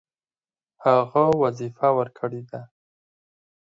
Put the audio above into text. هغه وظیفه ورکړې ده.